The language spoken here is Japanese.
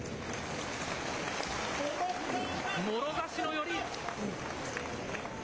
もろ差しの寄り。